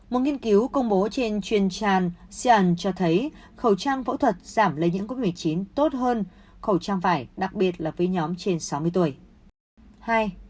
một nghiên cứu công bố trên truyền tràn sian cho thấy khẩu trang phẫu thuật giảm lây nhiễm covid một mươi chín tốt hơn khẩu trang vải đặc biệt là với nhóm trên sáu mươi tuổi